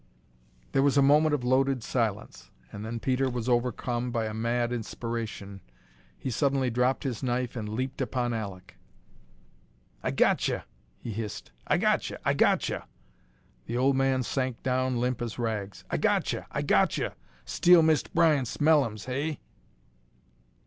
There was a moment of loaded silence, and then Peter was overcome by a mad inspiration. He suddenly dropped his knife and leaped upon Alek. "I got che!" he hissed. "I got che! I got che!" The old man sank down as limp as rags. "I got che! I got che! Steal Mist' Bryant's mellums, hey?"